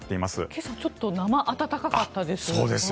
今朝ちょっと生暖かったです。